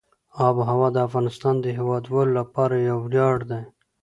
آب وهوا د افغانستان د هیوادوالو لپاره یو ویاړ دی.